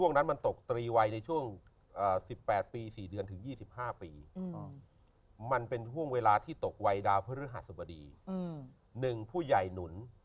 กลัว๒๔๒๕๒๖บางคนจะกลัวช่วงนั้น